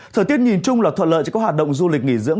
thời tiết nhìn chung là thuận lợi cho các hoạt động du lịch nghỉ dưỡng